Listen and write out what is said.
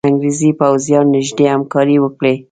انګرېزي پوځیان نیژدې همکاري وکړي.